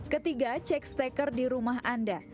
ketiga cek steker di rumah anda